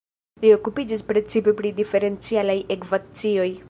Li okupiĝis precipe pri diferencialaj ekvacioj.